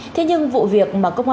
thế nhưng vụ việc mà công an huyện